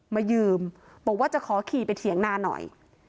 มายืมบอกว่าจะขอขี่ไปเถียงนาหน่อย